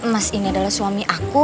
mas ini adalah suami aku